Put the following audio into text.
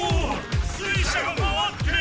水車が回って。